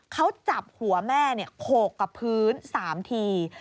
เขาจับหัวแม่โขกกับพื้น๓ที